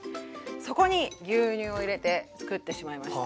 そこに牛乳を入れてつくってしまいました。